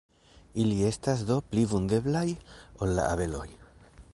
Ili estas do pli vundeblaj ol la abeloj.